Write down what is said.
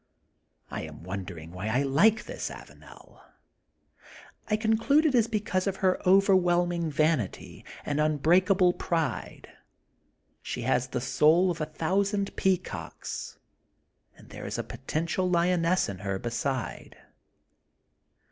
'' I am wondering why I like this Avanel. I oonolude it is because of her overwhelming THE GOLDEN BOOK OF SPBINGFIELD 88 vanity and unbreakable pride. She has the sonl of a thousand peacocks and there is a potential lioness in her beside.